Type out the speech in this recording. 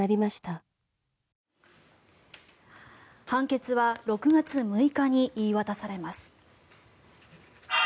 判決は６月６日に言い渡されます。